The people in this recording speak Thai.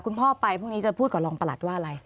คุณพ่อไปพรุ่งนี้จะพูดกับรองประหลัดว่าอะไร